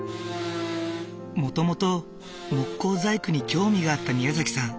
もともと木工細工に興味があったみやざきさん。